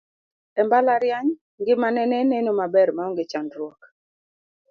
e mbalariany, ngimane ne neno maber maonge chandruok